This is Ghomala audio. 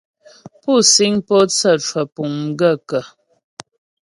Pú síŋ pótsə́ cwə̀pùŋ m gaə̂ kə́ ?